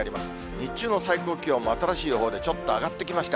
日中の最高気温も新しい予報でちょっと上がってきました。